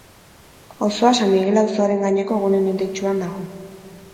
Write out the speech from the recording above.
Auzoa San Migel auzoaren gaineko gune menditsuan dago.